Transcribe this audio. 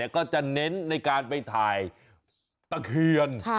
ก็จะเน้นในการไปถ่ายตะเคียน